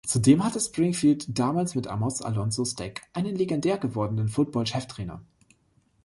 Zudem hatte Springfield damals mit Amos Alonzo Stagg einen legendär gewordenen Football-Cheftrainer.